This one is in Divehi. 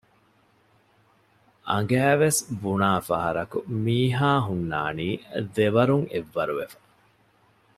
އަނގައިވެސް ބުނާފަހަރަކު މީހާހުންނާނީ ދެވަރުން އެއްވަރު ވެފަ